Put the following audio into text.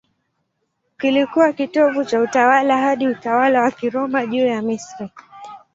Kilikuwa kitovu cha utawala hadi utawala wa Kiroma juu ya Misri.